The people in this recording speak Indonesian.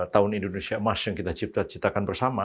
tahun indonesia emas yang kita ciptakan bersama